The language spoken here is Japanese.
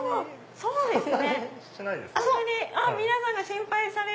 そうですか。